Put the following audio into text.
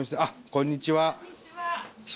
こんにちは。